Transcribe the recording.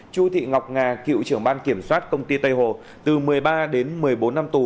chu thị ngọc nga cựu trưởng ban kiểm soát công ty tây hồ từ một mươi ba đến một mươi bốn năm tù